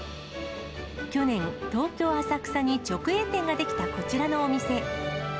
去年、東京・浅草に直営店が出来たこちらのお店。